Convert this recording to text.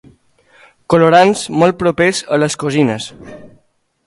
Colorants molt propers a les cosines.